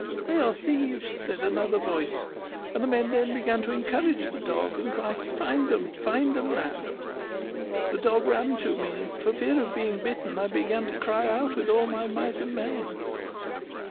'They are thieves,' said another voice; and the men then began to encourage the dog, and cry, 'Find 'em! find 'em, lad!' The dog ran to me, and, for fear of being bitten, I began to cry out with all my might and main.